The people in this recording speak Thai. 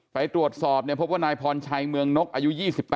ไปตรวจสอบพบว่านายพรชัยเมืองนกอายุ๒๙